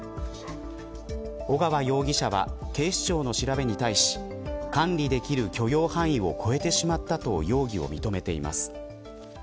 尾川容疑者は警視庁の調べに対し管理できる許容範囲を超えてしまったと容疑を認めています。